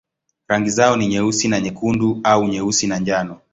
Rangi zao ni nyeusi na nyekundu au nyeusi na njano.